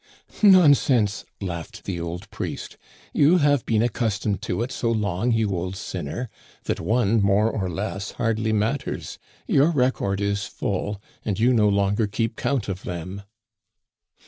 "Nonsense," laughed the old priest, "you have been accustomed to it so long, you old sinner, that one more or less hardly matters ; your record is full, and you no longer keep count of them."